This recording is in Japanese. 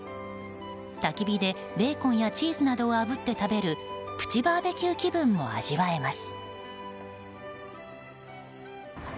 たき火でベーコンやチーズなどをあぶって食べるプチバーベキュー気分も味わえます。